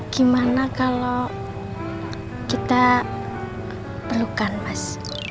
gimana kalau kita perlukan mas